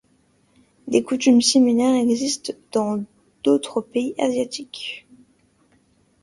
Des coutumes similaires existent dans d'autres pays asiatiques.